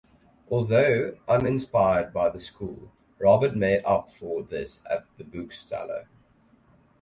Although uninspired by the school, Robert made up for this at the bookseller.